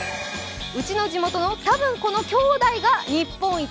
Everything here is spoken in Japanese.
「うちの地元のたぶんこの兄弟が日本一」。